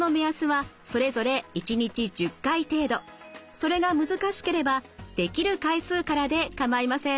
それが難しければできる回数からで構いません。